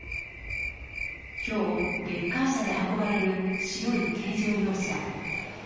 きょう、レッカー車で運ばれる白い軽乗用車。